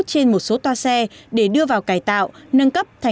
trên một số toa xe để đưa vào lệnh